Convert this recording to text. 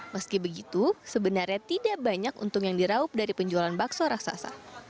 meski begitu sebenarnya tidak banyak untung yang diraup dari penjualan bakso raksasa